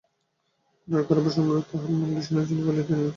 গোরার কারাবাস-সম্বন্ধে তাহার মন বিষণ্ন ছিল বলিয়া তিনি নিরস্ত ছিলেন।